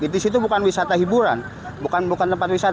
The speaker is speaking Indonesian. di situ bukan wisata hiburan bukan tempat wisata